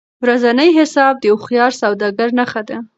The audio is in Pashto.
ورځنی حساب د هوښیار سوداګر نښه ده.